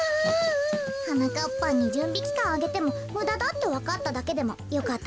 はなかっぱんにじゅんびきかんあげてもむだだってわかっただけでもよかったとおもいましょ。